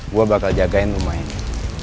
gue bakal jagain rumah ini